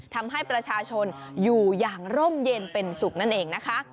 ทำให้ประชาชนอยู่อย่างร่มเย็นเป็นสุขนั่นเองนะคะ